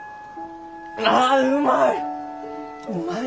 ああうまい！